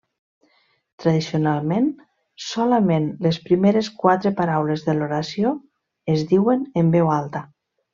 Tradicionalment, solament les primeres quatre paraules de l'oració es diuen en veu alta.